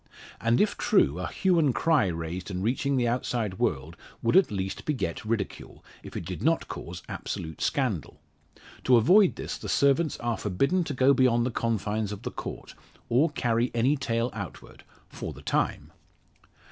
And if true a "hue and cry" raised and reaching the outside world would at least beget ridicule, if it did not cause absolute scandal. To avoid this the servants are forbidden to go beyond the confines of the Court, or carry any tale outward for the time.